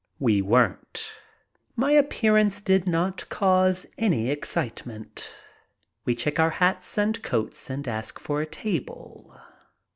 We weren't. My appearance did not cause any excitement. We check our hats and coats and ask for a table.